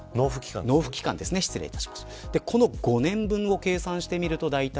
納付期間ですね、失礼しました。